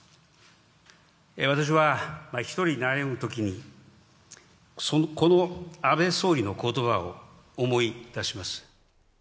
私は１人悩むときに、この安倍総理のことばを思い出します。